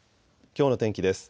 きょうの天気です。